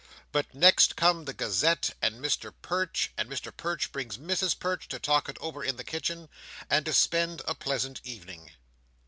But, next come the Gazette, and Mr Perch; and Mr Perch brings Mrs Perch to talk it over in the kitchen, and to spend a pleasant evening.